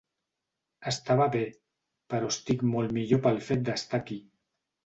Estava bé, però estic molt millor pel fet d'estar aquí.